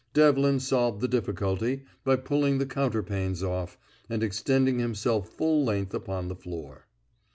Devlin solved the difficulty by pulling the counterpanes off, and extending himself full length upon the floor.